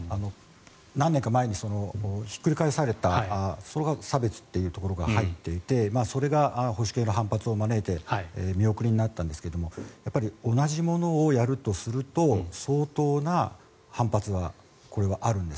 何年か前にひっくり返されたそれは差別というところが入っていてそれが保守系の反発を招いて見送りになったんですがやっぱり同じものをやるとすると相当な反発があるんです。